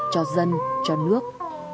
cho dân cho nước